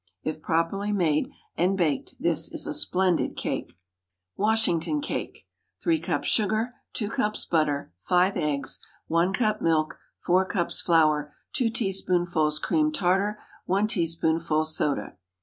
If properly made and baked this is a splendid cake. WASHINGTON CAKE. 3 cups sugar. 2 cups butter. 5 eggs. 1 cup milk. 4 cups flour. 2 teaspoonfuls cream tartar. 1 teaspoonful soda.